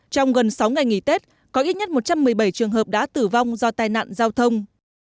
trong gần sáu ngày nghỉ tết có ít nhất một trăm một mươi bảy trường hợp đã tử vong do tai nạn giao thông